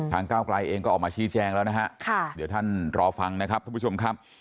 ก้าวกลายเองก็ออกมาชี้แจงแล้วนะฮะเดี๋ยวท่านรอฟังนะครับท่านผู้ชมครับ